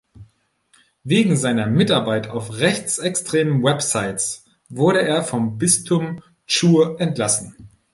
Wegen seiner Mitarbeit auf rechtsextremen Websites wurde er vom Bistum Chur entlassen.